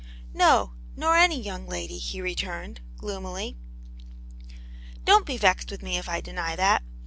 " No, nor any young lady," he returned, gloomily. " Don't be vexed with me if I deny that.